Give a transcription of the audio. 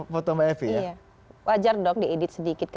foto mbak evi ya wajar dong di edit sedikit